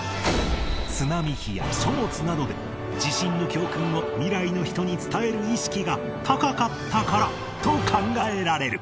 津波碑や書物などで地震の教訓を未来の人に伝える意識が高かったからと考えられる